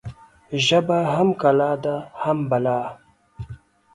ژبه هم کلا ده، هم بلا